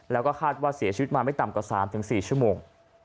แล้วก็คาดว่าเสียชีวิตมาไม่ต่ำกว่า๓๔ชั่วโมง